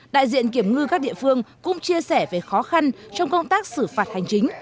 đại diện kiểm ngư các địa phương cũng chia sẻ về khó khăn trong công tác xử phạt hành chính